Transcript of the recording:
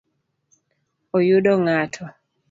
Oyudo ng’ato?